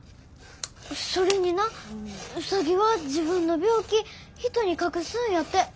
それになウサギは自分の病気人に隠すんやて。